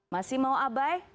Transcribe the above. masih mau abai